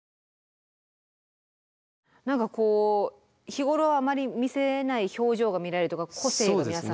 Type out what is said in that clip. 何かこう日頃あまり見せない表情が見られるというか個性が皆さん。